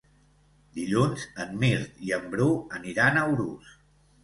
Dilluns en Mirt i en Bru aniran a Urús.